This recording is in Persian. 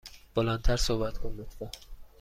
بلند تر صحبت کن، لطفا.